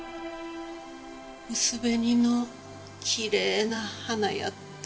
薄紅のきれいな花やった。